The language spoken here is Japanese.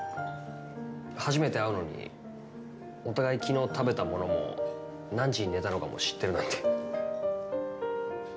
初めて会うのにお互い昨日、食べたものも何時に寝たのかも知ってるなんて。